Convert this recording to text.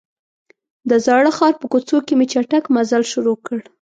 د زاړه ښار په کوڅو کې مې چټک مزل شروع کړ.